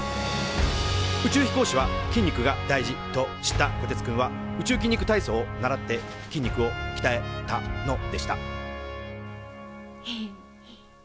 宇宙飛行士は筋肉が大事と知ったこてつくんは宇宙筋肉体操を習って筋肉をきたえたのでしたヘヘッ。